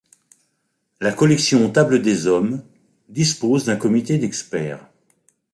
La collection Tables des Hommes dispose d'un comité d'experts.